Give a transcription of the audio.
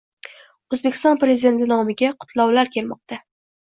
O‘zbekiston Prezidenti nomiga qutlovlar kelmoqdang